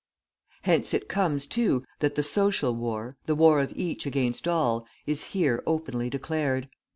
Hence it comes, too, that the social war, the war of each against all, is here openly declared.